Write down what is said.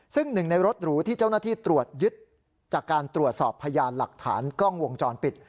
ซึ่งหนึ่งในรถหรูที่เจ้าหน้าที่ตรวจยึดจากการตรวจสอบพยานหลักฐานกล้องวงจรปิด